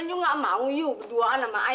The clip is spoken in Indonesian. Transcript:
dan aku butuh restu dari mama